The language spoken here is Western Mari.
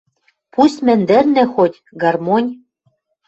Пусть мӹндӹрнӹ хоть, гармонь